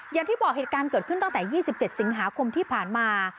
อย่างที่บอกเหตุการณ์เกิดขึ้นตั้งแต่๒๗สิงหาคมที่ผ่านมา